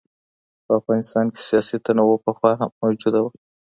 په افغانستان کې سیاسي تنوع پخوا موجوده وه.